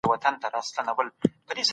آیا د ښوونکو د کمښت ستونزه حل سوي ده؟